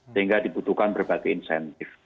sehingga dibutuhkan berbagai insentif